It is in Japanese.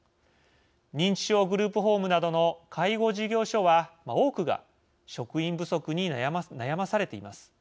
認知症グループホームなどの介護事業所は多くが職員不足に悩まされています。